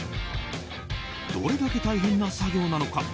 どれだけ大変な作業なのか？